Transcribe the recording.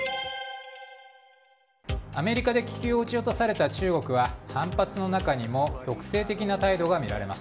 アメリカで気球を撃ち落された中国は反発の中にも抑制的な態度が見られます。